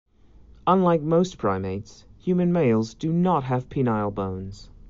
Unlike most primates, human males do not have penile bones.